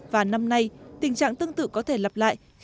và năm nay tình trạng tương tự có thể lặp lại